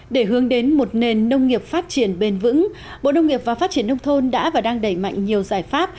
để hướng đến một nền nông nghiệp phát triển bền vững bộ nông nghiệp và phát triển nông thôn đã và đang đẩy mạnh nhiều giải pháp